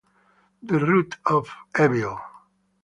The Root of Evil